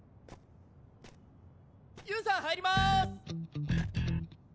ユウさん入ります！